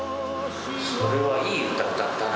それは、いい歌を歌ったな。